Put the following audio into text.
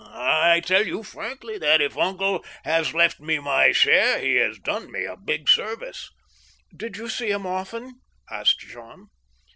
I tell you frankly that, if uncle has left me my share, he has done me a big service !"" Did you see him often ?" asked Jean.